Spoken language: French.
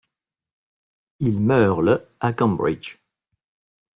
Il meurt le à Cambridge.